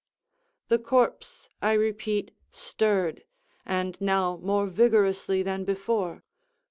The corpse, I repeat, stirred, and now more vigorously than before.